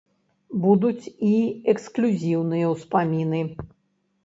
Будуць і эксклюзіўныя ўспаміны.